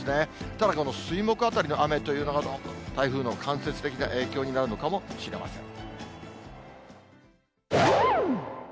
ただ、この水、木あたりの雨というのが、どうも台風の間接的な影響になるのかもしれません。